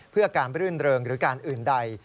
เพื่อการรื่นเริงหรือการอื่นใด